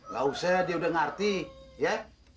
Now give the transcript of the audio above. gak usah dia udah ngerti ya